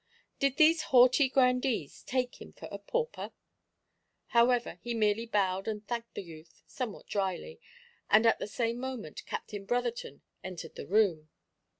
Did these haughty grandees take him for a pauper? However, he merely bowed and thanked the youth somewhat drily, and at the same moment Captain Brotherton entered the room.